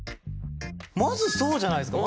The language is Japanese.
まずそうじゃないですか？